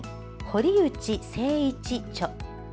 堀内誠一著。